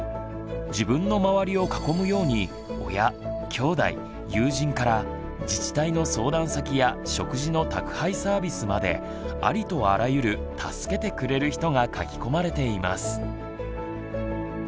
自分の周りを囲むように親きょうだい友人から自治体の相談先や食事の宅配サービスまでありとあらゆる「助けてくれる人」が書き込まれています。